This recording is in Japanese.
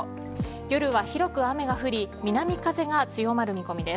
夜は広く雨が降り南風が強まる見込みです。